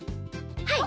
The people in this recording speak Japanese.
はい。